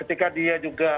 ketika dia juga